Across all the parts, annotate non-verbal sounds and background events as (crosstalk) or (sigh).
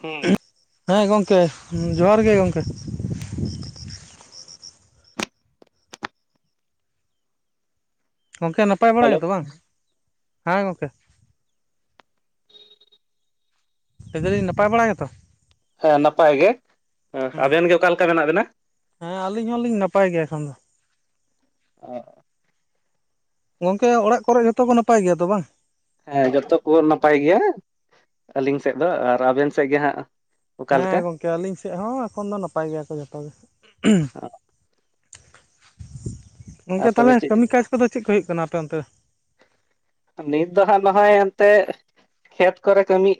ᱦᱩᱸ ᱦᱮᱸ ᱜᱚᱢᱠᱮ ᱡᱚᱦᱟᱨ ᱜᱮ ᱜᱚᱢᱠᱮ ᱜᱚᱝᱠᱮ ᱱᱟᱯᱟᱭ ᱵᱟᱲᱟ ᱦᱮᱞᱳ ᱜᱮᱛᱚ ᱵᱟᱝ ᱦᱮᱸ ᱜᱚᱢᱠᱮ ᱞᱟᱭ ᱫᱟᱹᱞᱤᱧ ᱱᱟᱯᱟᱭ ᱵᱟᱲᱟᱜᱮᱛᱚ ᱦᱮᱸ ᱱᱟᱯᱟᱭ ᱜᱮ ᱦᱮ ᱦᱩᱸ ᱟᱵᱮᱱ ᱜᱮ ᱚᱠᱟ ᱞᱮᱠᱟ ᱢᱮᱱᱟᱜ ᱵᱮᱱᱟ ᱦᱮᱸ ᱟᱹᱞᱤᱧ ᱦᱚᱸᱞᱤᱧ ᱱᱟᱯᱟᱭ ᱜᱮᱭᱟ ᱮᱠᱷᱚᱱ ᱫᱚ ᱦ (unintelligible) ᱜᱚᱝᱠᱮ ᱚᱲᱟᱜ ᱠᱚᱨᱮ ᱡᱷᱚᱛᱚ ᱠᱚ ᱱᱟᱯᱟᱭ ᱜᱮᱭᱟ ᱛᱚ ᱵᱟᱝ ᱦᱮᱸ ᱡᱚᱛᱚ ᱠᱚ ᱱᱟᱯᱟᱭ ᱜᱮᱭᱟ ᱟᱹᱞᱤᱧ ᱥᱮᱫ ᱫᱚ ᱟᱨ ᱟᱵᱮᱱ ᱥᱮᱫ ᱜᱮ ᱦᱟᱸᱜ ᱚᱠᱟ ᱞᱮᱠᱟ? ᱠᱮ ᱟᱹᱞᱤᱧ ᱥᱮᱫ ᱦᱚᱸ ᱮᱠᱷᱚᱱ ᱫᱚ ᱱᱟᱯᱟᱭ ᱜᱮᱭᱟ ᱠᱚ ᱡᱚᱛᱚ ᱜᱮ ᱟᱨ ᱜᱚᱝᱠᱮ ᱛᱚᱵᱮ ᱛᱟᱦᱚᱞᱮ ᱪᱮᱫ ᱠᱟᱹᱢᱤ ᱠᱟᱡᱽ ᱠᱚᱫᱚ ᱪᱮᱫ ᱠᱚ ᱦᱩᱭᱩᱜ ᱠᱟᱱᱟ ᱟᱯᱮ ᱚᱱᱛᱮ ᱱᱤᱛ ᱫᱚ ᱦᱟᱸᱜ ᱱᱚᱜᱼᱚᱭ ᱮᱱᱛᱮᱜ ᱠᱷᱮᱛ ᱠᱚᱨᱮ ᱠᱟᱹᱢᱤ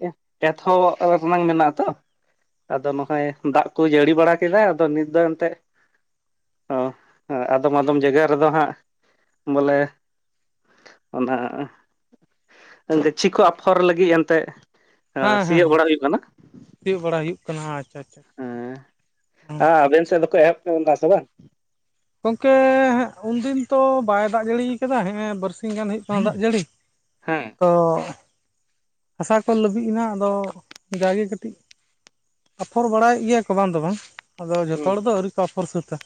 ᱮᱛᱚᱦᱚᱵ ᱨᱮᱱᱟ ᱢᱮᱱᱟᱜ ᱟᱛᱚ ᱟᱫᱚ ᱱᱚᱜᱼᱚᱭ ᱫᱟᱜ ᱠᱚ ᱡᱟᱹᱲᱤ ᱵᱟᱲᱟ ᱠᱮᱫᱟ ᱟᱫᱚ ᱱᱤᱛ ᱫᱚ ᱮᱱᱛᱮᱫ ᱚ ᱦᱮ ᱟᱫᱚᱢ ᱟᱫᱚᱢ ᱡᱟᱭᱜᱟ ᱨᱮᱫᱚ ᱦᱟᱸᱜ ᱵᱚᱞᱮ ᱚᱱᱟ ᱜᱟᱹᱪᱷᱤ ᱠᱚ ᱟᱯᱷᱚᱨ ᱞᱟᱹᱜᱤᱫ ᱮᱱᱛᱮᱜ ᱦᱮᱸ ᱦᱮᱸ ᱥᱤᱭᱳᱜ ᱦᱮᱸ ᱵᱟᱲᱟ ᱦᱩᱭᱩᱜ ᱠᱟᱱᱟ ᱥᱤᱭᱳᱜ ᱵᱟᱲᱟ ᱦᱩᱭᱩᱜ ᱠᱟᱱᱟ ᱟᱪᱪᱷᱟ ᱟᱪᱪᱷᱟ ᱦᱮᱸ ᱦᱮᱸ ᱟᱵᱮᱱ ᱥᱮᱫ ᱫᱚᱠᱚ ᱮᱦᱚᱵ ᱠᱮᱫᱟ ᱥᱮ ᱵᱟᱝ? ᱜᱚᱢᱠᱮᱻᱮ ᱩᱱᱫᱤᱱ ᱛᱚ ᱵᱟᱭ ᱫᱟᱜ ᱡᱟᱹᱲᱤ ᱟᱠᱟᱫᱟ, ᱱᱮᱜ ᱮ ᱵᱟᱨᱥᱤᱧ ᱜᱟᱱ ᱦᱩᱭᱩᱜ ᱠᱟᱱᱟ ᱫᱟᱜ ᱡᱟᱹᱲᱤ᱾ ᱦᱮᱸ ᱛᱚᱻ ᱦᱟᱥᱟ ᱠᱚ ᱞᱟᱹᱵᱤᱫ ᱮᱱᱟ ᱟᱫᱚ ᱡᱟᱜᱮ ᱠᱟᱹᱴᱤᱡ ᱟᱯᱷᱚᱨ ᱵᱟᱲᱟᱭᱮᱫ ᱜᱮᱭᱟ ᱠᱚ, ᱵᱟᱝ ᱫᱚ ᱵᱟᱝ, ᱟᱫᱚ ᱦᱩᱸ ᱡᱚᱛᱚ ᱦᱚᱲ ᱫᱚ ᱟᱹᱣᱨᱤ ᱠᱚ ᱟᱯᱷᱚᱨ ᱥᱟᱹᱛᱟ᱾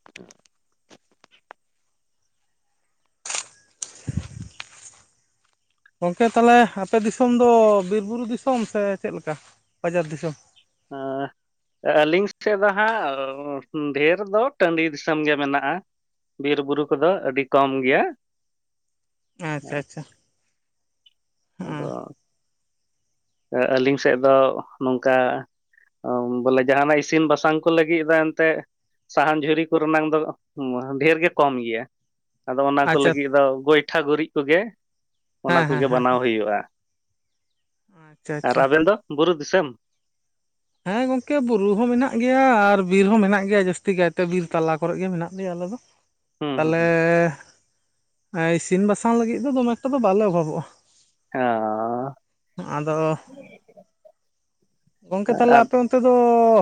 (unintelligible) ᱜᱚᱢᱠᱮ ᱛᱟᱦᱚᱞᱮ ᱟᱯᱮ ᱫᱤᱥᱚᱢ ᱫᱚ ᱵᱤᱨ ᱵᱩᱨᱩ ᱫᱤᱥᱚᱢ ᱥᱮ ᱪᱮᱫ ᱞᱮᱠᱟ ᱵᱟᱡᱟᱨ ᱫᱤᱥᱚᱢ? (unintelligible) ᱟᱹᱞᱤᱧ ᱴᱷᱮᱫ ᱫᱚ ᱦᱟᱸᱜ ᱰᱷᱮᱨ ᱫᱚ ᱴᱟᱺᱰᱤ ᱫᱤᱥᱚᱢ ᱜᱮ ᱢᱮᱱᱟᱜᱼᱟ᱾ ᱵᱤᱨ ᱵᱩᱨᱩ ᱠᱚᱫᱚ ᱟᱹᱰᱤ ᱠᱚᱢ ᱜᱮᱭᱟ᱾ ᱟᱪᱪᱷᱟ ᱟᱪᱪᱷᱟ ᱟᱫᱚ ᱦᱮᱸ ᱟᱹᱞᱤᱧ ᱥᱮᱫ ᱫᱚ ᱱᱚᱝᱠᱟ ᱵᱚᱞᱮ ᱡᱟᱦᱟᱱᱟᱜ ᱤᱥᱤᱱ ᱵᱟᱥᱟᱝ ᱠᱚ ᱞᱟᱹᱜᱤᱫ ᱫᱚ ᱮᱱᱛᱮᱜ ᱥᱟᱦᱟᱱ ᱡᱷᱩᱨᱤ ᱠᱚᱨᱮ ᱱᱟᱝ ᱫᱚ ᱰᱷᱮᱨ ᱜᱮ ᱠᱚᱢ ᱜᱮᱭᱟ᱾ ᱟᱫᱚ ᱚᱱᱟ ᱠᱚ ᱟᱪᱪᱷᱟ ᱞᱟᱹᱜᱤᱫ ᱫᱚ ᱜᱚᱸᱭᱴᱷᱟ ᱜᱩᱨᱤᱡ ᱠᱚᱜᱮ ᱚᱱᱟ ᱦᱮᱸ ᱦᱮᱸ ᱠᱚᱜᱮ ᱦᱮᱸ ᱵᱟᱱᱟᱣ ᱦᱩᱭᱩᱜᱼᱟ᱾ ᱟᱪᱪᱷᱟ ᱟᱨ ᱟᱪᱪᱷᱟ ᱟᱵᱮᱱ ᱫᱚ ᱵᱩᱨᱩ ᱫᱤᱥᱚᱢ? ᱦᱮᱸ ᱜᱚᱝᱠᱮ ᱵᱩᱨᱩ ᱦᱚᱸ ᱢᱮᱱᱟᱜ ᱜᱮᱭᱟ ᱟᱨ ᱵᱤᱨ ᱦᱚᱸ ᱢᱮᱱᱟᱜ ᱜᱮᱭᱟ ᱡᱟᱹᱥᱛᱤ ᱠᱟᱭᱛᱮ ᱵᱤᱨ ᱛᱟᱞᱟ ᱠᱚᱨᱮ ᱜᱮ ᱢᱮᱱᱟᱜ ᱞᱮᱭᱟ ᱟᱞᱮ ᱫᱚ᱾ ᱦᱩᱸ ᱦᱩᱸ ᱛᱟᱦᱚᱞᱮ ᱦᱩᱸ ᱤᱥᱤᱱ ᱵᱟᱥᱟᱝ ᱞᱟᱹᱜᱤᱫ ᱫᱚ ᱫᱚᱢᱮ ᱮᱠᱴᱟ ᱫᱚ ᱵᱟᱞᱮ ᱚᱵᱷᱟᱵᱚᱜᱼᱟ᱾ ᱦᱚᱸ ᱟᱫᱚ ᱜᱚᱝᱠᱮ ᱛᱟᱦᱚᱞᱮ ᱟᱨ ᱟᱯᱮ ᱚᱱᱛᱮ ᱫᱚ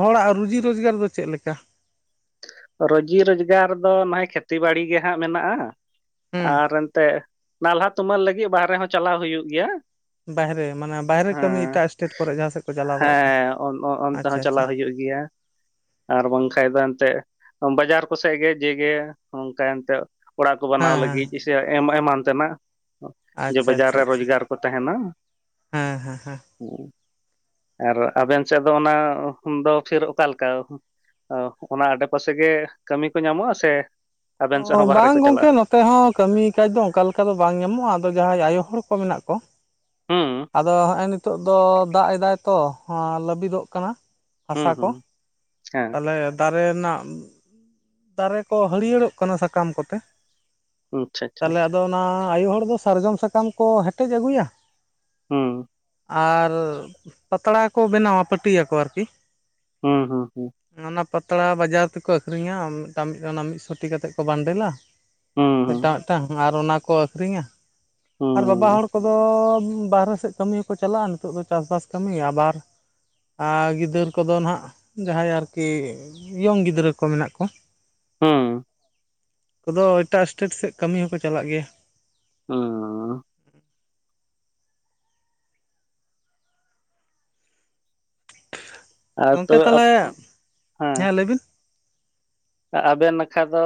ᱦᱚᱲᱟᱜ ᱨᱩᱡᱤ ᱨᱳᱡᱽᱜᱟᱨ ᱫᱚ ᱪᱮᱫ ᱞᱮᱠᱟ? ᱨᱩᱡᱤ ᱨᱚᱡᱽᱜᱟᱨ ᱫᱚ ᱱᱚᱜᱼᱚᱭ, ᱠᱷᱮᱛᱤ ᱵᱟᱹᱲᱤ ᱜᱮ ᱦᱟᱸᱜ ᱢᱮᱱᱟᱜᱼᱟ, ᱦᱩᱸ ᱟᱨ ᱮᱱᱛᱮᱜ ᱱᱟᱞᱦᱟ ᱛᱩᱢᱟᱹᱞ ᱞᱟᱹᱜᱤᱫ ᱵᱟᱦᱨᱮ ᱦᱚᱸ ᱪᱟᱞᱟᱣ ᱦᱩᱭᱩᱜ ᱜᱮᱭᱟ᱾ ᱵᱟᱦᱨᱮ ᱢᱟᱱᱮ ᱵᱟᱭᱨᱮ ᱠᱟᱹᱢᱤ ᱦᱮᱸ ᱮᱴᱟᱜ ᱥᱴᱮᱴ ᱠᱚᱨᱮ ᱡᱟᱦᱟᱸ ᱥᱮᱫ ᱠᱚ ᱪᱟᱞᱟᱣ ᱵᱟᱲᱟᱜ ᱠᱟᱱ, ᱦᱮᱸ ᱚᱱ ᱚ- ᱚᱱᱛᱮ ᱟᱪᱪᱷᱟ ᱦᱚᱸ ᱟᱪᱪᱷᱟ᱾ ᱪᱟᱞᱟᱣ ᱦᱩᱭᱩᱜ ᱜᱮᱭᱟ ᱟᱨ ᱵᱟᱝ ᱠᱷᱟᱱ ᱫᱚ ᱮᱱᱛᱮᱫ ᱵᱟᱡᱟᱨ ᱠᱚᱥᱮᱫ ᱜᱮ ᱡᱮᱜᱮ ᱚᱱᱠᱟ ᱮᱱᱛᱮᱫ ᱚᱲᱟᱜ ᱠᱚ ᱵᱮᱱᱟᱣ ᱦᱮᱸ ᱦᱮᱸ ᱞᱟᱹᱜᱤᱫ ᱥᱮ ᱮ ᱮᱢᱟᱱ ᱛᱮᱱᱟᱜ᱾ ᱡᱮ ᱟᱪᱪᱷᱟ ᱵᱟᱡᱟᱨ ᱟᱪᱪᱷᱟ ᱨᱮ ᱟᱪᱪᱷᱟ ᱨᱳᱡᱽᱜᱟᱨ ᱠᱚ ᱛᱟᱦᱮᱱᱟ ᱦᱮᱸ ᱦᱮᱸ ᱦᱮᱸ ᱟᱨ ᱟᱵᱮᱱ ᱥᱮᱫ ᱫᱚ, ᱚᱱᱟ ᱫᱚ ᱯᱷᱤᱨ ᱚᱠᱟᱞᱮᱠᱟ? ᱚᱱᱟ ᱯᱟᱥᱮ ᱜᱮ ᱠᱟᱹᱢᱤ ᱠᱚ ᱧᱟᱢᱚᱜᱼᱟ ᱥᱮ ᱟᱵᱮᱱ ᱥᱮᱫ ᱚ ᱦᱚᱸ ᱵᱟᱦᱨᱮ ᱵᱟᱝ ᱠᱚ ᱜᱚᱝᱠᱮ ᱪᱟᱞᱟᱜᱼᱟ ᱱᱚᱛ ᱛᱮᱦᱚᱸ ᱠᱟᱹᱢᱤ ᱠᱟᱡᱽ ᱫᱚ ᱚᱱᱠᱟ ᱞᱮᱠᱟ ᱫᱚ ᱵᱟᱝ ᱧᱟᱢᱚᱜᱼᱟ ᱟᱫᱚ ᱡᱟᱦᱟᱸᱭ ᱟᱭᱳ ᱦᱚᱲ ᱠᱚ ᱢᱮᱱᱟᱜ ᱠᱚ ᱦᱩᱸ ᱟᱫᱚ ᱦᱚᱸᱜᱼᱚᱭ ᱱᱤᱛᱚᱜ ᱫᱚ ᱫᱟᱜ ᱮᱫᱟᱭ ᱛᱚ ᱞᱟᱹᱵᱤᱫᱚᱜ ᱠᱟᱱᱟ᱾ ᱦᱩᱸ ᱦᱟᱥᱟ ᱠᱚ, ᱦᱩᱸ ᱦᱮᱸ ᱛᱟᱞᱚᱦᱮ ᱫᱟᱨᱮ ᱨᱮᱱᱟᱜ ᱫᱟᱨᱮ ᱠᱚ ᱦᱟᱹᱨᱭᱟᱹᱲᱚᱜ ᱠᱳᱱᱳ ᱥᱟᱠᱟᱢ ᱠᱚᱛᱮ᱾ ᱟᱪᱪᱷᱟ ᱟᱪᱪᱷᱟ ᱛᱟᱦᱚᱞᱮ ᱟᱫᱚ ᱚᱱᱟ ᱟᱭᱩ ᱦᱚᱲ ᱫᱚ ᱥᱟᱨᱡᱚᱢ ᱥᱟᱠᱟᱢ ᱠᱚ ᱦᱮᱴᱮᱡ ᱟᱹᱜᱩᱭᱟ᱾ ᱦᱩᱸ ᱟᱨ ᱯᱟᱛᱲᱟ ᱠᱚ ᱵᱮᱱᱟᱣᱟ ᱯᱟᱹᱴᱤᱭᱟᱠᱚ ᱟᱨᱠᱤ? ᱦᱩᱸ ᱦᱩᱸ ᱦᱩᱸ ᱚᱱᱟ ᱯᱟᱛᱲᱟ ᱵᱟᱡᱟᱨ ᱛᱮᱠᱚ ᱟᱹᱷᱨᱤᱧᱟ ᱢᱤᱫᱴᱟᱝ ᱢᱤᱫ ᱥᱚ ᱴᱤ ᱠᱟᱛᱮᱜ ᱠᱚ ᱵᱟᱱᱰᱮᱞᱟ ᱦᱩᱸ ᱢᱤᱫᱴᱟᱝ ᱢᱤᱫᱴᱟᱝ ᱟᱨ ᱚᱱᱟ ᱠᱚ ᱟᱠᱷᱨᱤᱧᱟ ᱦᱩᱸ ᱵᱟᱵᱟ ᱦᱚᱲ ᱠᱚᱫᱚ ᱵᱟᱦᱨᱮ ᱥᱮᱫ ᱠᱟᱹᱢᱤ ᱦᱚᱸᱠᱚ ᱪᱟᱞᱟᱜᱼᱟ᱾ᱱᱤᱛᱚᱜ ᱫᱚ ᱪᱟᱥᱵᱟᱥ ᱠᱟᱹᱢᱤ᱾ ᱟᱵᱟᱨ ᱟᱨ ᱜᱤᱫᱟᱹᱨ ᱠᱚᱫᱚ ᱱᱟᱦᱟᱸᱜ ᱡᱟᱦᱟᱸᱭ ᱟᱨᱠᱤ ᱤᱭᱚᱝ ᱜᱤᱫᱽᱨᱟᱹ ᱠᱚ ᱢᱮᱱᱟᱜ ᱠᱚ ᱦᱩᱸ ᱠᱚᱫᱚ ᱮᱴᱟᱜ ᱤᱥᱴᱮᱴ ᱥᱮᱫ ᱠᱟᱹᱢᱤ ᱦᱚᱸᱠᱚ ᱪᱟᱞᱟᱜ ᱜᱮᱭᱟ᱾ (unintelligible) ᱟᱨ ᱜᱚᱝᱠᱮ ᱛᱚᱵᱮ ᱟᱯ ᱛᱟᱦᱚᱞᱮ ᱦᱮᱸ ᱞᱟᱹᱭ ᱵᱤᱱ ᱟᱵᱮᱱ ᱱᱟᱠᱷᱟ ᱫᱚ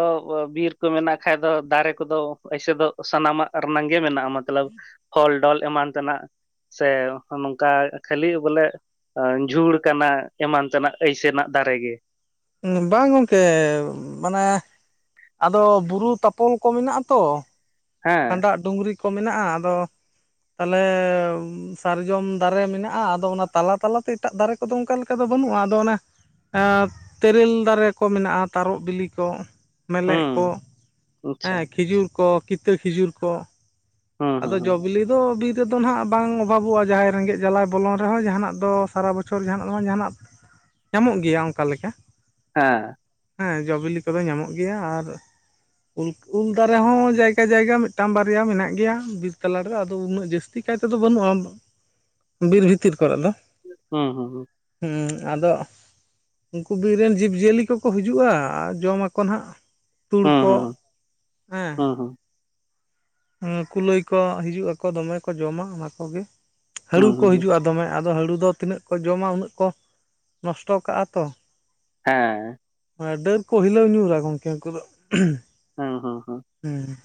ᱵᱤᱨ ᱠᱚ ᱢᱮᱱᱟᱜ ᱠᱷᱟᱡ ᱫᱚ ᱫᱟᱨᱮ ᱠᱚᱫᱚ ᱯᱩᱭᱥᱟᱹ ᱥᱟᱱᱟᱢᱟᱜ ᱟᱨ ᱱᱟᱝᱜᱮ ᱢᱮᱱᱟᱜᱼᱟ ᱢᱚᱛᱞᱚᱵᱽ ᱯᱷᱚᱞ ᱰᱚᱞ ᱮᱢᱟᱱ ᱛᱮᱱᱟᱜ᱾ ᱥᱮ ᱱᱚᱝᱠᱟ ᱠᱷᱟᱹᱞᱤ ᱵᱚᱞᱮ ᱡᱷᱩᱲ ᱠᱟᱱᱟ ᱮᱢᱟᱱ ᱛᱮᱱᱟᱜ ᱟᱹᱭᱥᱮᱱᱟᱜ ᱫᱟᱨᱮ ᱜᱮ ᱵᱟᱝ ᱜᱚᱝᱠᱮ ᱢᱟᱱᱮ ᱟᱫᱚ ᱵᱩᱨᱩ ᱛᱟᱯᱚᱞ ᱠᱚ ᱢᱮᱱᱟᱜᱼᱟ ᱛᱚ ᱦᱮᱸ ᱠᱷᱟᱸᱰᱟᱜ ᱰᱩᱝᱨᱤ ᱠᱚ ᱢᱮᱱᱟᱜᱼᱟ ᱟᱫᱚ ᱛᱟᱦᱚᱞᱮ ᱥᱟᱨᱡᱚᱢ ᱫᱟᱨᱮ ᱢᱮᱱᱟᱜᱼᱟ ᱟᱫᱚ ᱚᱱᱟ ᱛᱟᱞᱟ ᱛᱟᱞᱟ ᱛᱮ ᱮᱴᱟᱜ ᱫᱟᱨᱮ ᱠᱚᱫᱚ ᱚᱱᱠᱟ ᱞᱮᱠᱟ ᱫᱚ ᱵᱟᱹᱱᱩᱜᱼᱟ ᱟᱫᱚ ᱚᱱᱟ ᱛᱮᱨᱮᱞ ᱫᱟᱨᱮ ᱠᱚ ᱢᱮᱱᱟᱜᱼᱟ ᱛᱟᱨᱚᱵ ᱵᱤᱞᱤ ᱠᱚ ᱢᱮᱞᱮᱜ ᱠᱚ ᱦᱩᱸ ᱟᱪᱪᱷᱟ ᱦᱮᱸ ᱠᱷᱤᱡᱩᱨ ᱠᱚ ᱠᱤᱛᱟᱹ ᱠᱷᱤᱡᱩᱨ ᱠᱚ ᱦᱩᱸ ᱦᱩᱸ ᱟᱫᱚ ᱡᱚ ᱦᱩᱸ ᱵᱤᱞᱤ ᱫᱚ ᱵᱤᱨ ᱤᱛᱟᱹ ᱫᱚ ᱦᱟᱸᱜ ᱵᱟᱝ ᱚᱵᱷᱟᱵᱚᱜᱼᱟ ᱡᱟᱦᱟᱸᱭ ᱨᱮᱸᱜᱮᱡ ᱡᱟᱞᱟᱭ ᱵᱚᱞᱚᱱ ᱨᱮᱦᱚᱸ ᱡᱟᱦᱟᱸᱱᱟᱜ ᱫᱚ ᱥᱟᱨᱟ ᱵᱚᱪᱷᱚᱨ ᱡᱟᱦᱟᱸᱱᱟᱜ ᱫᱚ ᱵᱟᱝ ᱡᱟᱦᱟᱸᱱᱟᱜ ᱧᱟᱢᱚᱜ ᱜᱮᱭᱟ ᱚᱱᱠᱟ ᱞᱮᱠᱟ ᱦᱮᱸ ᱦᱮᱸ ᱡᱚ ᱵᱤᱞᱤ ᱠᱚᱫᱚ ᱧᱟᱢᱚᱜ ᱜᱮᱭᱟ ᱟᱨ ᱩ ᱩᱞ ᱫᱟᱨᱮ ᱦᱚᱸ ᱡᱟᱭᱜᱟ ᱡᱟᱭᱜᱟ ᱢᱤᱫᱴᱟᱝ ᱵᱟᱨᱭᱟ ᱢᱮᱱᱟᱜ ᱜᱮᱭᱟ ᱵᱤᱨ ᱛᱟᱞᱟ ᱨᱮ ᱟᱫᱚ ᱩᱱᱟᱹᱜ ᱡᱟᱹᱥᱛᱤ ᱠᱟᱭ ᱛᱮᱫᱚ ᱵᱟᱹᱱᱩᱜᱼᱟ ᱵᱤᱨ ᱵᱷᱤᱛᱤᱨ ᱠᱚᱨᱮ ᱫᱚ ᱦᱩᱸ ᱦᱩᱸ ᱦᱸ ᱦᱮᱸ ᱟᱫᱚ ᱩᱱᱠᱩ ᱵᱤᱨ ᱨᱮᱱ ᱡᱤᱵᱽᱼᱡᱤᱭᱟᱹᱞᱤ ᱠᱚᱠᱚ ᱦᱤᱡᱩᱜᱼᱟ ᱟᱨ ᱡᱚᱢ ᱟᱠᱚ ᱱᱟᱦᱟᱜ ᱛᱩᱲ ᱦᱩᱸ ᱠᱚ ᱦᱩᱸ ᱦᱮᱸ ᱦᱩᱸ ᱠᱩᱞᱟᱹᱭ ᱠᱚ ᱦᱤᱡᱩᱜ ᱟᱠᱚ ᱫᱚᱢᱮ ᱠᱚ ᱡᱚᱢᱟ ᱚᱱᱟ ᱠᱚ ᱜᱮ ᱦᱟᱹᱲᱩ ᱦᱩᱸ ᱠᱚ ᱦᱩᱸ ᱦᱩᱸ ᱦᱤᱡᱩᱜᱼᱟ ᱫᱚᱢᱮ ᱟᱫᱚ ᱦᱟᱹᱲᱩ ᱫᱚ ᱛᱤᱱᱟᱹᱜ ᱠᱚ ᱡᱚᱢᱟ ᱩᱱᱟᱹᱜ ᱠᱚ ᱱᱚᱥᱴᱚ ᱠᱟᱜᱼᱟ ᱛᱚ ᱦᱮᱸ ᱰᱟᱹᱨ ᱠᱚ ᱦᱤᱞᱟᱹᱣ ᱧᱩᱨᱟ ᱜᱚᱢᱠᱮ ᱩᱱᱠᱩ ᱫᱚ ᱦᱩᱸ ᱦᱩᱸ ᱦᱩᱸ ᱦᱮᱸ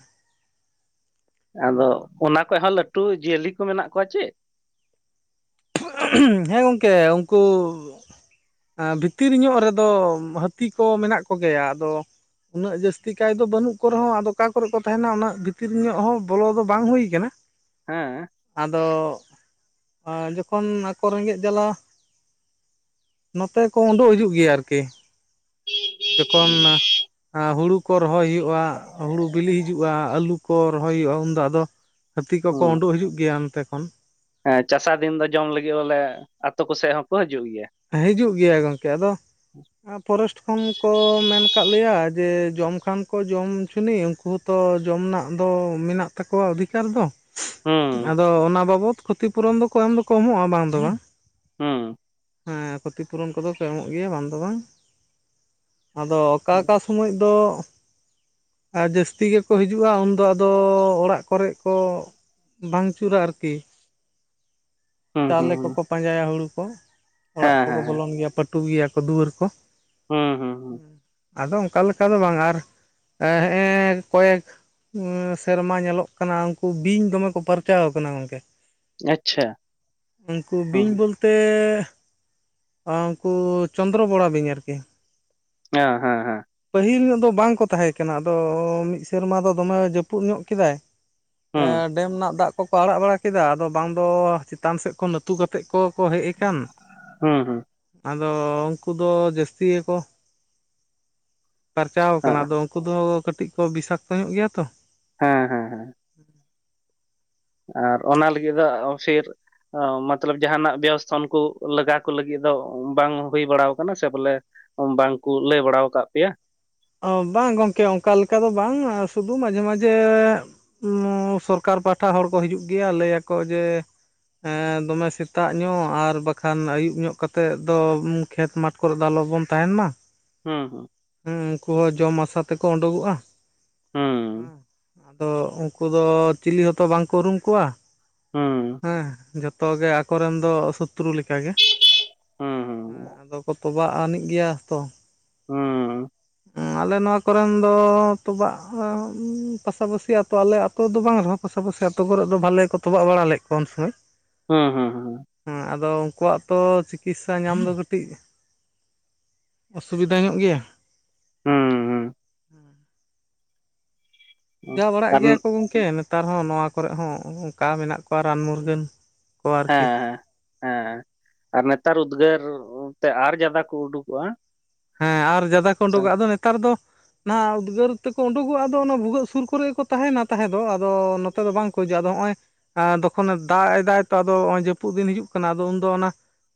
ᱟᱫᱚ ᱚᱱᱟ ᱠᱷᱚᱡ ᱦᱚᱸ ᱞᱟᱹᱴᱩ ᱡᱤᱭᱟᱹᱞᱤ ᱠᱚ ᱢᱮᱱᱟᱜ ᱠᱚᱣᱟ ᱪᱮ ᱦᱮᱸ ᱜᱚᱝᱠᱮ ᱩᱱᱠᱩ ᱵᱷᱤᱛᱤᱨ ᱧᱚᱜ ᱨᱮᱫᱚ ᱦᱟᱹᱛᱤ ᱠᱚ ᱢᱮᱱᱟᱜ ᱠᱚ ᱜᱮᱭᱟ ᱟᱫᱚ ᱩᱱᱟᱹᱜ ᱡᱟᱹᱥᱛᱤ ᱠᱟᱭ ᱫᱚ ᱵᱟᱹᱱᱩᱜ ᱠᱚ ᱨᱮᱦᱚᱸ ᱟᱫᱚ ᱚᱠᱟ ᱠᱚᱨᱮ ᱠᱚ ᱛᱟᱦᱮᱸᱱᱟ ᱩᱱᱟᱹᱜ ᱵᱷᱤᱛᱤᱨ ᱧᱚᱜ ᱦᱚᱸ ᱵᱚᱞᱚ ᱫᱚ ᱵᱟᱝ ᱦᱩᱭ ᱠᱟᱱᱟ ᱦᱮᱸ ᱟᱫᱚ ᱡᱚᱠᱷᱚᱱ ᱟᱠᱚ ᱨᱮᱸᱜᱮᱡ ᱡᱟᱞᱟ ᱱᱚᱛᱮ ᱠᱚ ᱩᱰᱩᱠ ᱦᱤᱡᱩᱜ ᱜᱮᱭᱟ ᱟᱨᱠᱤ ᱡᱚᱠᱷᱚᱱ ᱟᱨ ᱦᱩᱲᱩ ᱠᱚ ᱨᱚᱦᱚᱭ ᱦᱩᱭᱩᱜᱼᱟ ᱦᱩᱲᱩ ᱵᱤᱞᱤ ᱦᱤᱡᱩᱜᱼᱟ ᱟᱹᱞᱩ ᱠᱚ ᱨᱚᱦᱚᱭ ᱦᱩᱭᱩᱜᱼᱟ ᱩᱱᱫᱚ ᱟᱫᱚ ᱦᱟᱹᱛᱤ ᱠᱚ ᱠᱚ ᱦᱩᱸ ᱩᱰᱩᱜ ᱦᱤᱡᱩᱜ ᱜᱮᱭᱟ ᱚᱱᱛᱮ ᱠᱷᱚᱱ ᱦᱮᱸ ᱪᱟᱥᱟᱱᱫᱤᱱ ᱫᱚ ᱡᱚᱢ ᱞᱟᱹᱜᱤᱫ ᱵᱚᱞᱮ ᱟᱛᱳ ᱠᱚ ᱥᱮᱫ ᱦᱚᱸᱠᱚ ᱦᱤᱡᱩᱜ ᱜᱮᱭᱟ ᱦᱤᱡᱩᱜ ᱜᱮᱭᱟ ᱜᱚᱝᱠᱮ ᱟᱫᱚ ᱯᱷᱚᱨᱮᱥᱴ ᱠᱷᱚᱱ ᱠᱚ ᱢᱮᱱ ᱟᱠᱟᱫ ᱞᱮᱭᱟ ᱡᱮ ᱡᱚᱢ ᱠᱷᱟᱱ ᱠᱚ ᱡᱚᱢ ᱦᱚᱪᱚᱱᱤ ᱩᱱᱠᱩ ᱦᱚᱸ ᱛᱚ ᱡᱚᱢ ᱨᱮᱱᱟᱜ ᱫᱚ ᱢᱮᱱᱟᱜ ᱛᱟᱠᱚᱣᱟ ᱚᱫᱷᱤᱠᱟᱨ ᱫᱚ ᱦᱩᱸ ᱟᱫᱚ ᱚᱱᱟ ᱵᱟᱵᱚᱫ ᱠᱷᱚᱛᱤ ᱯᱩᱨᱚᱱ ᱫᱚ ᱠᱚ ᱮᱢ ᱫᱚ ᱠᱚ ᱮᱢᱚᱜᱼᱟ ᱵᱟᱝ ᱫᱚ ᱵᱟᱝ ᱦᱩᱸ ᱦᱮᱸ ᱠᱷᱚᱛᱤ ᱯᱩᱨᱚᱱ ᱠᱚᱫᱚ ᱠᱚ ᱮᱢᱚᱜ ᱜᱮᱭᱟ ᱵᱟᱝ ᱫᱚ ᱵᱟᱝ ᱟᱫᱚ ᱚᱠᱟ ᱚᱠᱟ ᱥᱚᱢᱚᱭ ᱫᱚ ᱟᱨ ᱡᱟᱹᱥᱛᱤ ᱜᱮᱠᱚ ᱦᱤᱡᱩᱜᱼᱟ ᱩᱱᱫᱚ ᱟᱫᱚ ᱚᱲᱟᱜ ᱠᱚᱨᱮᱜ ᱠᱚ ᱵᱟᱝ ᱪᱩᱨᱟ ᱟᱨᱠᱤ ᱪᱟᱣᱞᱮ ᱠᱚ ᱠᱚ ᱯᱟᱸᱡᱟᱭᱟ ᱦᱩᱲᱩ ᱠᱚ ᱚᱲᱟᱜ ᱠᱚᱠᱚ ᱵᱚᱞᱚᱱ ᱜᱮᱭᱟ ᱯᱟᱹᱴᱩ ᱜᱮᱭᱟ ᱠᱚ ᱫᱩᱣᱟᱹᱨ ᱠᱚ ᱟᱫᱚ ᱚᱱᱠᱟ ᱞᱮᱠᱟ ᱫᱚ ᱵᱟᱝ ᱟᱨ ᱦᱮ ᱠᱚᱭᱮᱠ ᱥᱮᱨᱢᱟ ᱧᱮᱞᱚᱜ ᱠᱟᱱᱟ ᱩᱱᱠᱩ ᱵᱤᱧ ᱫᱚᱢᱮ ᱠᱚ ᱯᱟᱨᱪᱟᱣ ᱟᱠᱟᱱᱟ ᱜᱚᱝᱠᱮ (inaudible) ᱩᱱᱠᱩ ᱵᱤᱧ ᱵᱚᱞᱛᱮ ᱩᱱᱠᱩ ᱪᱚᱱᱫᱨᱚ ᱵᱚᱲᱟ ᱵᱤᱧ ᱟᱨᱠᱤ ᱦᱮᱸ ᱦᱮᱸ ᱦᱮᱸ ᱯᱟᱹᱦᱤᱞ ᱧᱚᱜ ᱫᱚ ᱵᱟᱝ ᱠᱚ ᱛᱟᱦᱮᱸ ᱠᱟᱱᱟ ᱟᱫᱚ ᱢᱤᱫ ᱥᱮᱨᱢᱟ ᱫᱚ ᱫᱚᱢᱮ ᱡᱟᱹᱯᱩᱫ ᱧᱚᱜ ᱠᱮᱫᱟᱭ ᱮ ᱰᱮᱢ ᱨᱮᱱᱟᱜ ᱫᱟᱜ ᱠᱚᱠᱚ ᱟᱲᱟᱜ ᱵᱟᱲᱟ ᱠᱮᱫᱟ ᱟᱫᱚ ᱵᱟᱝ ᱫᱚ ᱪᱮᱛᱟᱱ ᱥᱮᱫ ᱠᱷᱚᱱ ᱱᱟᱹᱛᱩ ᱠᱟᱛᱮᱫ ᱠᱚ ᱠᱚ ᱦᱮᱡ ᱟᱠᱟᱱ ᱦᱩᱸ ᱦᱩᱸ ᱟᱫᱚ ᱩᱱᱠᱩ ᱫᱚ ᱡᱟᱹᱥᱛᱤ ᱜᱮᱠᱚ ᱯᱟᱨᱪᱟᱣ ᱠᱟᱱᱟ ᱦᱮᱸ, ᱟᱫᱚ ᱩᱱᱠᱩ ᱫᱚ ᱠᱟᱹᱴᱤᱡ ᱠᱚ ᱵᱤᱥᱟᱠᱛᱚ ᱧᱚᱜ ᱜᱮᱭᱟ ᱛᱚ ᱦᱮᱸ ᱦᱮᱸ ᱦᱮᱸ ᱟᱨ ᱚᱱᱟ ᱞᱟᱹᱜᱤᱫ ᱫᱚ ᱚᱜᱥᱤᱨ ᱚ ᱢᱚᱛᱞᱚᱵ ᱡᱟᱦᱟᱱᱟᱜ ᱵᱮᱵᱚᱥᱛᱷᱟ ᱩᱱᱠᱩ ᱞᱟᱜᱟ ᱠᱚ ᱞᱟᱹᱜᱤᱫ ᱫᱚ ᱵᱟᱝ ᱦᱩᱭ ᱵᱟᱲᱟ ᱠᱟᱱᱟ ᱥᱮ ᱵᱚᱞᱮ ᱵᱟᱝᱠᱩ ᱞᱟᱹᱭ ᱵᱟᱲᱟ ᱟᱠᱟᱫ ᱯᱮᱭᱟ ᱚᱸ ᱵᱟᱝ ᱜᱚᱝᱠᱮ ᱚᱱᱠᱟ ᱞᱮᱠᱟ ᱫᱚ ᱵᱟᱝ ᱥᱩᱫᱩ ᱢᱟᱡᱷᱮ ᱢᱟᱡᱷᱮ ᱩᱸ ᱥᱚᱨᱠᱟᱨ ᱯᱟᱦᱴᱟ ᱦᱚᱲ ᱠᱚ ᱦᱤᱡᱩᱜ ᱜᱮᱭᱟ ᱞᱟᱹᱭᱟᱠᱚ ᱡᱮ ᱮᱸ ᱫᱚᱢᱮ ᱥᱮᱛᱟᱜ ᱧᱚᱜ ᱟᱨ ᱵᱟᱠᱷᱟᱱ ᱟᱹᱭᱩᱵ ᱧᱚᱜ ᱠᱟᱛᱮᱫ ᱫᱚ ᱠᱷᱮᱛ ᱢᱟᱴᱷ ᱠᱚᱨᱮ ᱫᱚ ᱟᱞᱚᱵᱚᱱ ᱛᱟᱦᱮᱱ ᱢᱟ ᱦᱩᱸ ᱦᱩᱸ ᱦᱩᱸ ᱩᱱᱠᱩ ᱦᱚᱸ ᱡᱚᱢ ᱟᱥᱟ ᱛᱮᱠᱚ ᱩᱰᱩᱠᱚᱜᱼᱟ ᱦᱩᱸ, ᱦᱮᱸ ᱟᱫᱚ ᱩᱱᱠᱩ ᱫᱚ ᱪᱤᱞᱤ ᱦᱛᱚ ᱵᱟᱝᱠᱚ ᱩᱨᱩᱢ ᱠᱚᱣᱟ ᱦᱩᱸ, ᱦᱮᱸ ᱡᱚᱛᱚ ᱜᱮ ᱠᱚᱨᱮᱱ ᱫᱚ ᱥᱚᱛᱨᱩ ᱞᱮᱠᱟ ᱜᱮ ᱦᱩᱸ, ᱦᱮᱸ ᱟᱫᱚ ᱠᱚ ᱛᱚᱵᱟᱜ ᱟᱹᱱᱤᱡ ᱜᱮᱭᱟ ᱛᱚ ᱦᱩᱸ, ᱟᱞᱮ ᱱᱚᱣᱟ ᱠᱚᱨᱮᱱ ᱫᱚ ᱛᱚᱵᱟᱜ ᱯᱟᱥᱟᱯᱟᱹᱥᱤ ᱟᱛᱩ ᱟᱞᱮ ᱱᱤᱛᱚᱜ ᱫᱚ ᱵᱟᱝ ᱨᱚᱦᱚᱸ ᱯᱟᱥᱟᱯᱟᱥᱤ ᱟᱹᱛᱩ ᱠᱚᱨᱮᱫ ᱫᱚ ᱵᱷᱟᱞᱮ ᱜᱮᱠᱚ ᱛᱚᱵᱟᱜ ᱵᱟᱲᱟ ᱞᱮᱫ ᱠᱚᱣᱟ ᱩᱱᱥᱚᱢᱚᱭ ᱦᱩᱸ ᱦᱩᱸ ᱦᱩᱸ ᱦᱮᱸ ᱟᱫᱚ ᱩᱱᱠᱩᱣᱟᱜ ᱛᱚ ᱪᱤᱠᱤᱥᱥᱟ ᱧᱟᱢ ᱫᱚ ᱠᱟᱹᱴᱤᱡ ᱚᱥᱩᱵᱤᱫᱟ ᱧᱚᱜ ᱜᱮᱭᱟ ᱦᱩᱸ, ᱦᱩᱸ, ᱦᱩᱸ (inaudible) ᱦᱩᱸ, ᱚᱡᱷᱟ ᱵᱟᱲᱟᱜ ᱟᱨ ᱜᱮᱭᱟ ᱦᱮᱸ, ᱠᱚ ᱜᱚᱢᱠᱮ ᱱᱮᱛᱟᱨ ᱦᱚᱸ ᱱᱚᱣᱟ ᱠᱚᱨᱮᱜ ᱦᱚᱸ ᱚᱱᱠᱟ ᱢᱮᱱᱟᱜ ᱠᱚᱣᱟ ᱨᱟᱱ ᱢᱩᱨᱜᱟᱹᱱ᱾ ᱠᱚ ᱦᱮᱸ ᱟᱨᱠᱤ ᱦᱮ ᱦᱮᱸ ᱟᱨ ᱱᱮᱛᱟᱨ ᱩᱫᱽᱜᱟᱹᱨ ᱛᱮ ᱟᱨ ᱡᱟᱫᱟ ᱠᱚ ᱩᱰᱩᱠᱚᱜᱼᱟ ᱦᱮᱸ ᱟᱨ ᱡᱟᱫᱟ ᱠᱚ ᱥᱮ ᱩᱰᱩᱠᱚ-ᱟ ᱟᱫᱚ ᱱᱮᱛᱟᱨ ᱫᱚ ᱱᱟ ᱩᱫᱽᱜᱟᱹᱨ ᱛᱮᱠᱚ ᱩᱰᱩᱠᱚᱜᱼᱟ ᱟᱫᱚ ᱚᱱᱟ ᱵᱷᱩᱜᱟᱹᱜ ᱥᱩᱨ ᱠᱚᱨᱮ ᱜᱮᱠᱚ ᱛᱟᱦᱮᱱᱟ ᱛᱟᱦᱮᱸ ᱫᱚ ᱟᱫᱚ ᱟᱫᱚ ᱵᱟᱝ ᱠᱚ ᱦᱤᱡᱩᱜᱼᱟ ᱟᱫᱚ ᱦᱚᱸᱜᱼᱚᱭ ᱛᱚᱠᱷᱚᱱᱮ ᱫᱟᱜ ᱮᱫᱟᱭ ᱛᱚ ᱟᱫᱚ ᱡᱟᱹᱯᱩᱫ ᱫᱤᱱ ᱦᱤᱡᱩᱜ ᱠᱟᱱᱟ ᱟᱫᱚ ᱩᱱᱫᱚ ᱚᱱᱟ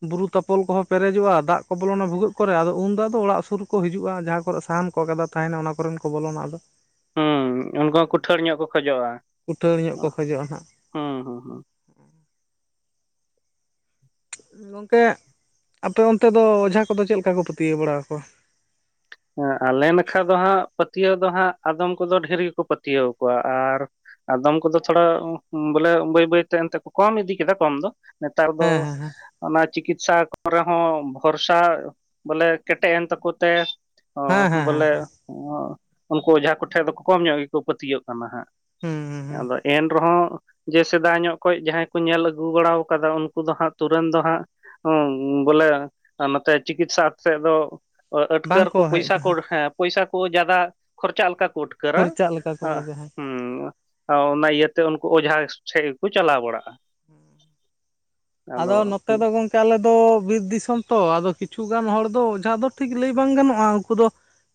ᱵᱩᱨᱩ ᱛᱟᱯᱚᱞ ᱠᱚᱦᱚᱸ ᱯᱮᱨᱮᱡᱚᱜᱼᱟ ᱫᱟᱜ ᱠᱚ ᱵᱚᱞᱚᱱᱟ ᱵᱷᱩᱜᱟᱹᱜ ᱠᱚᱨᱮ ᱟᱫᱚ ᱩᱱ ᱫᱚ ᱚᱲᱟᱜ ᱥᱩᱨ ᱠᱚ ᱦᱤᱡᱩᱜᱼᱟ ᱡᱟᱦᱟᱸ ᱠᱚᱨᱮ ᱥᱟᱦᱟᱱ ᱠᱚ ᱜᱟᱫᱟ ᱛᱟᱦᱮᱱᱟ ᱚᱱᱟ ᱠᱚᱨᱮᱱ ᱠᱚ ᱵᱚᱞᱚᱱᱟ ᱟᱫᱚ ᱦᱩᱸ ᱩᱱᱠᱩ ᱦᱚᱸ ᱠᱩᱴᱷᱟᱹᱲ ᱧᱚᱜ ᱠᱚ ᱠᱷᱚᱡᱚᱜᱼᱟ ᱩᱴᱷᱟᱹᱲ ᱧᱚᱜ ᱠᱚ ᱠᱷᱚᱡᱚᱜᱼᱟ ᱱᱟᱦᱟᱜ ᱦᱩᱸ ᱦᱩᱸ ᱦᱩᱸ ᱜᱚᱝᱠᱮ ᱟᱯᱮ ᱚᱱᱛᱮ ᱫᱚ ᱚᱡᱷᱟ ᱠᱚᱫᱚ ᱪᱮᱫ ᱞᱮᱠᱟ ᱠᱚ ᱯᱟᱹᱛᱭᱟᱹᱣ ᱵᱟᱲᱟᱣ ᱠᱚᱣᱟ? ᱦᱮᱸ ᱟᱞᱮ ᱱᱟᱠᱷᱟ ᱫᱚ ᱦᱟᱸᱜ ᱯᱟᱹᱛᱭᱟᱹᱣ ᱫᱚ ᱦᱟᱸᱜ ᱟᱫᱚᱢ ᱠᱚᱫᱚ ᱰᱷᱮᱨ ᱜᱮᱠᱚ ᱯᱟᱹᱛᱭᱟᱹᱣ ᱟᱠᱚᱣᱟ ᱟᱨ ᱟᱫᱚᱢ ᱠᱚᱫᱚ ᱛᱷᱚᱲᱟ ᱵᱚᱞᱮ ᱵᱟᱹᱭ ᱵᱟᱹᱭ ᱛᱮ ᱮᱱᱛᱮ ᱠᱚ ᱠᱚᱢ ᱤᱫᱤ ᱠᱮᱫᱟ ᱠᱚᱢ ᱫᱚ ᱱᱮᱛᱟᱨ ᱫᱚ ᱦᱮᱸ ᱦᱮᱸ ᱚᱱᱟ ᱪᱤᱠᱤᱛᱥᱟ ᱠᱚᱨᱮ ᱦᱚᱸ ᱵᱷᱚᱨᱥᱟ ᱵᱚᱞᱮ ᱠᱮᱴᱮᱡ ᱮᱱ ᱛᱟᱠᱚ ᱛᱮ ᱦᱮᱸ ᱚ ᱦᱮᱸ ᱦᱮᱸ ᱦᱮᱸ ᱵᱚᱞᱮ ᱦᱮᱸ ᱩᱱᱠᱩ ᱚᱡᱷᱟ ᱠᱚᱴᱷᱮᱡ ᱫᱚ ᱠᱚᱢ ᱧᱚᱜ ᱜᱮᱠᱚ ᱯᱟᱹᱛᱭᱟᱹᱜ ᱠᱟᱱᱟ ᱦᱟᱸᱜ ᱦᱩᱸ ᱦᱩᱸ ᱦᱩᱸ ᱟᱫᱚ ᱮᱱ ᱨᱮᱦᱚᱸ ᱡᱮ ᱥᱮᱫᱟᱭ ᱧᱚᱜ ᱠᱷᱚᱡ ᱡᱟᱦᱟᱸᱭ ᱠᱚ ᱧᱮᱞ ᱟᱹᱜᱩ ᱵᱟᱲᱟᱣ ᱠᱟᱫᱟ ᱩᱱᱠᱩ ᱫᱚ ᱦᱟᱸᱜ ᱛᱩᱨᱟᱹᱱ ᱫᱚ ᱦᱟᱸᱜ ᱦᱩᱸ ᱵᱚᱞᱮ ᱱᱚᱛᱮ ᱪᱤᱠᱤᱛᱥᱟ ᱥᱮᱫ ᱫᱚ ᱠᱟᱨ ᱵᱟᱝᱠᱚ ᱠᱚ ᱦᱮᱡ ᱯᱚᱭᱥᱟ ᱠᱚ ᱦᱮᱸ ᱯᱚᱭᱥᱟ ᱠᱚ ᱡᱟᱫᱟ ᱠᱷᱚᱨᱪᱟ ᱞᱮᱠᱟ ᱠᱳᱰ ᱠᱟᱨᱟ ᱠᱷᱚᱨᱪᱟᱜ ᱞᱮᱠᱟ ᱠᱚ ᱟᱦ ᱵᱩᱡᱟ ᱦᱮᱸ ᱦᱩᱸ ᱚᱱᱟ ᱤᱭᱟᱹᱛᱮ ᱩᱱᱠᱩ ᱚᱡᱷᱟ ᱴᱷᱮᱫ ᱜᱮᱠᱚ ᱪᱟᱞᱟᱣ ᱵᱟᱲᱟᱜᱼᱟ ᱦᱩᱸ ᱟᱫᱚ ᱱᱚᱛᱮ ᱫᱚ ᱜᱚᱝᱠᱮ ᱟᱞᱮ ᱫᱚ ᱵᱤᱨ ᱫᱤᱥᱚᱢ ᱛᱚ ᱟᱫᱚ ᱠᱤᱪᱷᱩ ᱜᱟᱱ ᱦᱚᱲ ᱫᱚ ᱚᱡᱷᱟ ᱫᱚ ᱴᱷᱤᱠ ᱞᱟᱹᱭ ᱵᱟᱝ ᱜᱟᱱᱚᱜᱼᱟ ᱩᱱᱠᱩ ᱫᱚ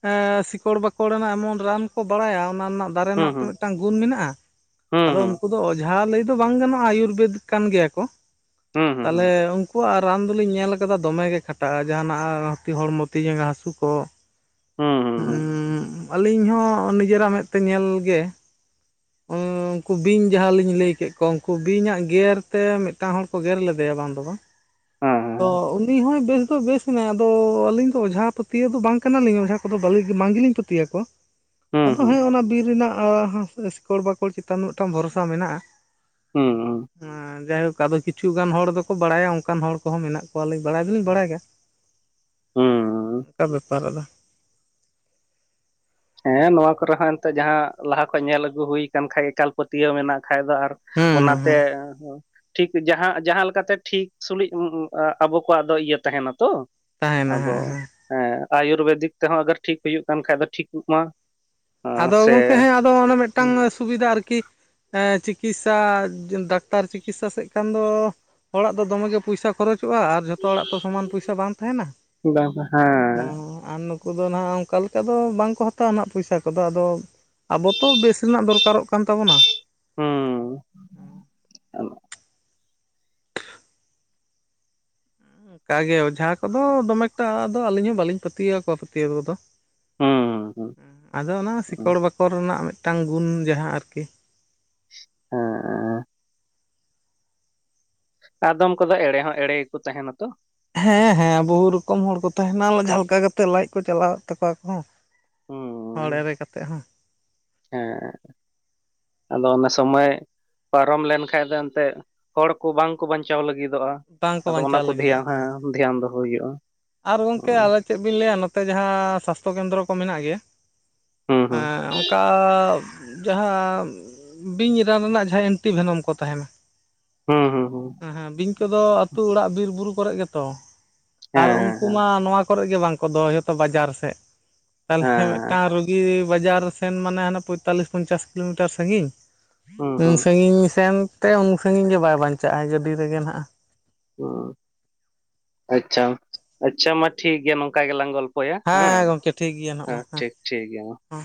ᱮᱸ ᱥᱤᱠᱚᱲ ᱵᱟᱠᱚᱲ ᱨᱮᱱᱟᱜ ᱮᱢᱚᱱ ᱨᱟᱱ ᱠᱚ ᱵᱟᱲᱟᱭᱟ ᱚᱱᱟ ᱨᱮᱱᱟᱜ ᱫᱟᱨᱮ ᱦᱩᱸ ᱨᱮᱱᱟᱜ ᱛᱚ ᱦᱩᱸ ᱢᱤᱫᱴᱮᱱ ᱢᱤᱫᱴᱟᱝ ᱜᱩᱱ ᱢᱮᱱᱟᱜᱼᱟ ᱟᱫᱚ ᱦᱩᱸ ᱩᱱᱠᱩ ᱫᱚ ᱚᱡᱷᱟ ᱞᱟᱹᱭ ᱫᱚ ᱵᱟᱝ ᱜᱟᱱᱚᱜᱼᱟ ᱟᱭᱩᱨᱵᱮᱫ ᱠᱟᱱ ᱜᱮᱭᱟ ᱠᱚ ᱦᱩᱸ ᱦᱩᱸ ᱛᱟᱞᱮ ᱦᱩᱸ ᱩᱱᱠ ᱟᱠᱟᱹᱠᱩᱣᱟᱜ ᱨᱟᱱ ᱫᱚᱞᱤᱧ ᱧᱮᱞ ᱟᱠᱟᱫᱟ ᱫᱚᱢᱮᱜ ᱜᱮ ᱠᱷᱟᱴᱟᱜᱼᱟ ᱡᱟᱦᱟᱱᱟᱜ ᱦᱟ ᱛᱤ ᱦᱚᱲᱢᱚ ᱛᱤ ᱡᱟᱸᱜᱟ ᱦᱟᱹᱥᱩ ᱠᱚ᱾ ᱦᱩᱸ ᱦᱩᱸ ᱦᱩᱸᱻ ᱟᱹᱞᱤᱧ ᱦᱚᱸ ᱱᱤᱡᱮᱨᱟᱜ ᱢᱮᱸᱫ ᱛᱮ ᱧᱮᱞ ᱜᱮ᱾ ᱩᱸᱻ ᱩᱱᱠᱩ ᱵᱤᱧ ᱡᱟᱦᱟᱸ ᱞᱤᱧ ᱞᱟᱹᱭ ᱠᱮᱫ ᱠᱚ ᱩᱱᱠᱩ ᱵᱤᱧᱟᱜ ᱜᱮᱨ ᱛᱮ ᱢᱤᱫᱴᱟᱝ ᱦᱚᱲ᱾ ᱠᱚ ᱜᱮᱨ ᱞᱮᱫᱮᱭᱟ ᱵᱟᱝ ᱫᱚ ᱵᱟᱝ ᱦᱩᱸ ᱛᱚ ᱩᱱᱤ ᱦᱚᱸᱭ ᱵᱮᱥ ᱫᱚ ᱵᱮᱥ ᱦᱮᱸ ᱟᱫᱚ ᱟᱹᱞᱤᱧ ᱫᱚ ᱚᱡᱷᱟ ᱯᱟᱹᱛᱭᱟᱹᱣ ᱫᱚ ᱵᱟᱝ ᱠᱟᱱᱟᱞᱤᱧ ᱚᱡᱷᱟ ᱠᱚᱫᱚᱞᱤ ᱵᱟᱝ ᱜᱮᱞᱤᱧ ᱯᱟᱹᱛᱭᱟᱹ ᱟᱠᱚᱣᱟ᱾ ᱦᱩᱸ ᱦᱩᱸ ᱦᱩᱸ ᱦᱩᱸ ᱦᱩᱸ ᱟᱫᱚ ᱦᱮᱸ ᱚᱱᱟ ᱵᱤᱨ ᱨᱮᱱᱟᱜ ᱦᱟᱸ ᱥᱤᱠᱚᱲ ᱵᱟᱠᱚᱲ ᱪᱮᱛᱟᱱ ᱢᱤᱫᱴᱟᱝ ᱵᱷᱚᱨᱥᱟ ᱢᱮᱱᱟᱜ-ᱟ ᱦᱩᱸ ᱦᱩᱸ ᱦᱩᱸ ᱟᱸᱻ ᱡᱟᱭᱦᱳᱠ ᱟᱫᱚ ᱠᱤᱪᱷᱩ ᱜᱟᱱ ᱦᱚᱲ ᱫᱚᱠᱚ ᱵᱟᱲᱟᱭᱟ ᱚᱱᱠᱟᱱ ᱦᱚᱲ ᱠᱚᱦᱚᱸ ᱢᱮᱱᱟᱜ ᱠᱚᱣᱟ ᱠᱚᱣᱟᱞᱤᱧ ᱵᱟᱲᱟᱭ ᱫᱚᱞᱤᱧ ᱵᱟᱲᱟᱭ ᱜᱮᱭᱟ ᱦᱩᱸ ᱚᱱᱠᱟ ᱵᱮᱯᱟᱨ ᱟᱫᱚ ᱦᱮᱸ ᱱᱚᱣᱟ ᱠᱚᱨᱮ ᱦᱚᱸ ᱮᱱᱛᱮ ᱡᱟᱦᱟᱸ ᱞᱟᱦᱟ ᱠᱷᱚᱡ ᱧᱮᱞ ᱟᱹᱜᱩ ᱦᱩᱭᱠᱟᱱ ᱠᱷᱟᱡ ᱮᱠᱟᱞ ᱯᱟᱹᱛᱭᱟᱹᱣ ᱢᱮᱱᱟᱜ᱾ ᱠᱷᱟᱡ ᱫᱚ ᱟᱨ ᱦᱮᱸ ᱦᱮᱸ ᱚᱱᱟᱛᱮ ᱦᱮᱸ ᱴᱷᱤᱠ ᱡᱟᱦᱟᱸ ᱡᱟᱦᱟᱸ ᱞᱮᱠᱟᱛᱮ ᱴᱷᱤᱠ ᱥᱩᱞᱩᱡ ᱟᱵᱚ ᱠᱚᱣᱟᱜ ᱫᱚ ᱤᱭᱟᱹ ᱛᱟᱦᱮᱱᱟ ᱛᱚ᱾ ᱛᱟᱦᱮᱱᱟ ᱟᱫᱚ ᱦᱮᱸ ᱦᱮᱸ ᱟᱭᱩᱨᱵᱮᱫᱤᱠ ᱛᱮᱦᱚᱸ ᱟᱜᱟᱨ ᱴᱷᱤᱠ ᱦᱩᱭᱩᱜ ᱠᱟᱱ ᱠᱷᱟᱡ ᱫᱚ ᱴᱷᱤᱠᱩᱜ ᱢᱟ᱾ ᱟᱫᱚ ᱥᱮ ᱜᱚᱢᱠᱮ ᱦᱮᱸ ᱟᱫᱚ ᱚᱱᱮ ᱢᱮᱫᱴᱟᱝ ᱥᱩᱵᱤᱫᱷᱟ ᱟᱨᱠᱤ ᱦᱮᱸ ᱪᱤᱠᱤᱥᱥᱟ ᱰᱟᱠᱛᱟᱨ ᱪᱤᱠᱤᱥᱥᱟ ᱥᱮᱫ ᱠᱷᱟᱱ ᱫᱚ ᱦᱚᱲᱟᱜ ᱫᱚ ᱫᱚᱢᱮ ᱜᱮ ᱯᱚᱭᱥᱟ ᱠᱷᱚᱨᱚᱪᱚᱜ-ᱟ ᱟᱨ ᱡᱷᱚᱛᱚ ᱦᱚᱲᱟᱜ ᱛᱚ ᱥᱚᱢᱟᱱ ᱯᱚᱭᱥᱟ ᱵᱟᱝ ᱛᱟᱦᱮᱱᱟ ᱵᱟᱝ ᱦᱚᱸᱻ ᱦᱮᱸ ᱟᱨ ᱩᱱᱠᱩᱫᱚ ᱱᱟᱦᱟᱜ ᱚᱱᱠᱟ ᱞᱮᱠᱟ ᱫᱚ ᱵᱟᱝᱠᱚ ᱦᱟᱛᱟᱣᱟ ᱱᱟᱦᱟᱜ ᱯᱚᱭᱥᱟ ᱠᱚᱫᱚ ᱟᱫᱚ ᱟᱵᱚ ᱛᱚ ᱵᱮᱥ ᱨᱮᱱᱟᱜ ᱫᱚᱨᱠᱟᱨᱚᱜ ᱠᱟᱱ ᱛᱟᱵᱚᱱᱟ᱾ ᱦᱚᱸᱻ ᱚᱱᱠᱟ ᱜᱮ ᱚᱡᱷᱟ ᱠᱚᱫᱚ ᱫᱚᱢᱮ ᱮᱠᱴᱟᱫᱚ ᱟᱹᱞᱤᱧ ᱦᱚᱸ ᱵᱟᱹᱞᱤᱧ ᱯᱟᱹᱛᱭᱟᱹᱣ ᱟᱠᱚᱣᱟ ᱯᱟᱹᱛᱭᱟᱹᱣ ᱠᱚᱫᱚ᱾ ᱦᱩᱸᱻ ᱦᱩᱸᱻ ᱟᱫᱚ ᱚᱱᱟ ᱥᱤᱠᱚᱲ ᱵᱟᱠᱚᱲ ᱨᱮᱱᱟᱜ ᱢᱤᱫᱴᱟᱝ ᱜᱩᱱ ᱡᱟᱦᱟᱸ ᱟᱨᱠᱤ᱾ ᱦᱮᱸᱻ ᱮᱸᱻ ᱟᱫᱚᱢ ᱠᱚᱫᱚ ᱮᱲᱮ ᱦᱚᱸ ᱮᱲᱮ ᱜᱮᱠᱚ ᱛᱟᱦᱮᱱᱟ ᱛᱚ᱾ ᱦᱮᱸ ᱦᱮᱸ ᱵᱚᱦᱩ ᱨᱚᱠᱚᱢ ᱦᱚᱲ ᱠᱚ ᱛᱟᱦᱮᱱᱟ ᱡᱷᱟᱦᱟ ᱞᱮᱠᱟ ᱠᱟᱛᱮᱜ ᱞᱟᱡ ᱠᱚ ᱪᱟᱞᱟᱣᱮᱫ ᱛᱟᱠᱚᱣᱟ ᱠᱚ ᱦᱚᱲ ᱮᱲᱮ ᱠᱟᱛᱮ ᱦᱚᱸ᱾ ᱦᱮᱸᱻ ᱟᱫᱚ ᱚᱱᱟ ᱥᱚᱢᱚᱭ ᱯᱟᱨᱚᱢ ᱞᱮᱱᱠᱷᱟᱡ ᱫᱚ ᱮᱱᱛᱮᱫ ᱦᱚᱲ ᱠᱚ ᱵᱟᱝᱠᱚ ᱵᱟᱧᱪᱟᱣ ᱞᱟᱹᱜᱤᱫᱚᱜ-ᱟ᱾ ᱵᱟᱝᱠᱚ ᱟᱫᱚ ᱚᱱᱟ ᱵᱟᱧᱪᱟᱣ ᱠᱚ ᱫᱷᱮᱭᱟ ᱞᱟᱹᱜᱤᱫᱚᱜ ᱦᱮᱸ ᱫᱷᱮᱭᱟᱱ ᱫᱚᱦᱚ ᱦᱳᱭᱳᱜ-ᱟ᱾ ᱟᱨ ᱜᱚᱢᱠᱮ ᱟᱞᱮ ᱪᱮᱫ ᱵᱤᱱ ᱞᱟᱹᱭᱟ ᱱᱚᱛᱮ ᱡᱟᱦᱟᱸᱻ ᱥᱟᱥᱛᱷᱚ ᱠᱮᱱᱫᱨᱚ ᱠᱚ ᱢᱮᱱᱟᱜ ᱜᱮᱭᱟ ᱦᱮᱸ ᱦᱮᱸ ᱠᱟ ᱡᱟᱦᱟᱸ ᱵᱤᱧ ᱨᱟᱱ ᱨᱮᱱᱟᱜ ᱡᱟᱦᱟᱸ ᱮᱱᱴᱤᱵᱷᱮᱱᱚᱢ ᱠᱚ ᱛᱟᱦᱮᱱᱟ᱾ ᱦᱮᱸᱻ ᱦᱮᱸ ᱦᱮᱸ ᱵᱤᱧ ᱠᱚᱫᱚ ᱟᱹᱛᱩ ᱚᱲᱟᱜ ᱵᱤᱨ ᱵᱩᱨᱩ ᱠᱚᱨᱮ ᱜᱮᱛᱚ᱾ ᱦᱮᱸ ᱟᱨ ᱩᱱᱠᱩ ᱦᱮᱸ ᱢᱟ ᱱᱚᱣᱟ ᱠᱚᱨᱮ ᱜᱮ ᱵᱟᱝᱠᱚ ᱫᱚᱦᱚᱭ ᱡᱚᱛᱚ ᱵᱟᱡᱟᱨ ᱥᱮᱫ ᱛᱟᱞᱦᱮ ᱦᱮᱸ ᱢᱤᱫᱴᱟᱝ ᱨᱩᱜᱤ ᱵᱟᱡᱟᱨ ᱥᱮᱱ ᱢᱟᱱᱮ ᱦᱟᱱᱮ ᱯᱚᱸᱭᱛᱟᱞᱞᱤᱥ ᱯᱚᱧᱪᱟᱥ ᱠᱤᱞᱳᱢᱤᱴᱟᱨ ᱥᱟᱹᱜᱤᱧ ᱦᱩᱸ ᱩᱱ ᱦᱩᱸ ᱥᱟᱺᱜᱤᱧ ᱥᱮᱱᱛᱮ ᱩᱱ ᱥᱟᱺᱜᱤᱧ ᱜᱮ ᱵᱟᱭ ᱵᱟᱧᱪᱟᱜᱼᱟᱭ ᱜᱟᱹᱰᱤ ᱨᱮᱜᱮ ᱱᱟᱦᱟᱜ ᱟᱪᱪᱷᱟ ᱟᱪᱪᱷᱟ ᱢᱟ ᱴᱷᱤᱠ ᱜᱮᱭᱟ ᱱᱚᱝᱠᱟ ᱜᱮᱞᱟᱝ ᱜᱚᱞᱯᱚ ᱦᱮᱸᱻ ᱜᱚᱢᱠᱮ ᱴᱷᱤᱠ ᱜᱮᱭᱟ ᱱᱟᱜ ᱢᱟ ᱦᱮᱸ ᱴᱷᱤᱠ ᱜᱮᱭᱟ ᱢᱟ ᱦᱮᱸ᱾